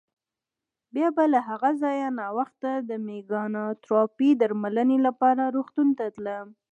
بیا به له هغه ځایه ناوخته د مېکانوتراپۍ درملنې لپاره روغتون ته تلم.